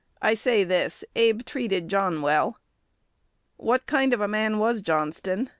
I say this: Abe treated John well." "What kind of a man was Johnston?"